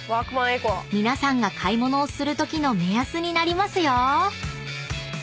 ［皆さんが買い物をするときの目安になりますよ］